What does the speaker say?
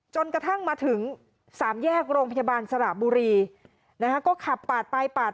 จนกระทั่งมาถึงสามแยกโรงพยาบาลสระบุรีนะคะก็ขับปาดไปปาด